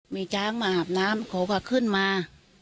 มีช้างมาอาบน้ำเขาก็ขึ้นมา